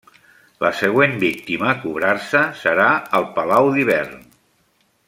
La següent víctima a cobrar-se, serà el Palau d'Hivern.